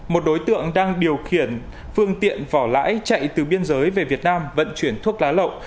một đối tượng đang điều khiển phương tiện vỏ lãi chạy từ biên giới về việt nam vận chuyển thuốc lá lậu